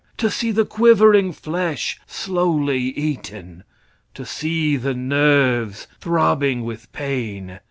To see the quivering flesh slowly eaten? To see the nerves throbbing with pain?